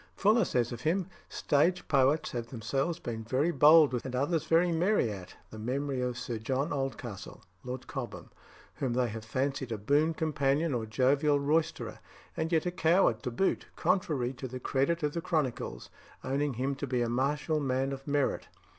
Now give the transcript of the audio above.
Fuller says of him: "Stage poets have themselves been very bold with, and others very merry at, the memory of Sir John Oldcastle (Lord Cobham), whom they have fancied a boon companion or jovial roysterer, and yet a coward to boot, contrary to the credit of the chronicles, owning him to be a martial man of merit.